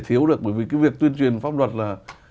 thiếu được bởi vì cái việc tuyên truyền pháp luật là